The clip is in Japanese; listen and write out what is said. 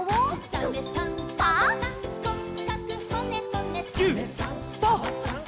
「サメさんサバさん